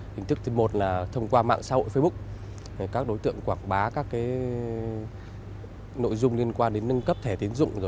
hình thức thứ một là thông qua mạng xã hội facebook các đối tượng quảng bá các nội dung liên quan đến nâng cấp thẻ tiến dụng